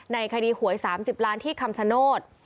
ในคดีหวย๓๐ล้านที่คำชโนธ